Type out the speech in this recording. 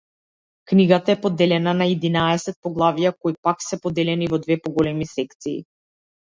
Книгата е поделена на единаесет поглавја, кои пак се поделени во две поголеми секции.